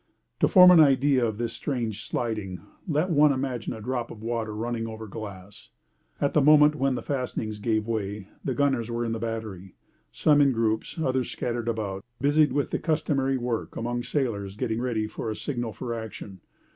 To form an idea of this strange sliding, let one image a drop of water running over glass. At the moment when the fastenings gave way, the gunners were in the battery. Some in groups, others scattered about, busied with the customary work among sailors getting ready for a signal for action.